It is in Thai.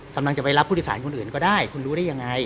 กำลังจะไปรับผู้โดยสารคนอื่นก็ได้คุณรู้ได้ยังไง